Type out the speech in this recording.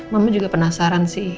mama juga penasaran sih